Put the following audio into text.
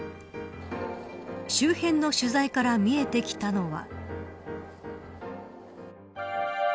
周辺の取材から見えてきたのは。